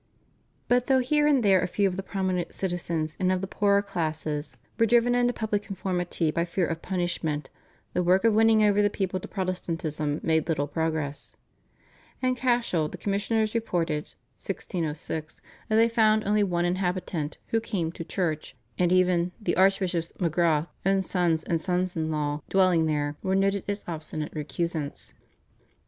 But though here and there a few of the prominent citizens and of the poorer classes were driven into public conformity by fear of punishment, the work of winning over the people to Protestantism made little progress. In Cashel the Commissioners reported (1606) that they found only one inhabitant who came to church, and even "the Archbishop's (Magrath) own sons and sons in law dwelling there" were noted as obstinate recusants."